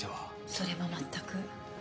それも全く。